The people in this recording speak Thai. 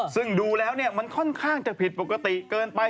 ซึ่งดูแล้วมันค่อนข้างจะผิดปกติเกินไป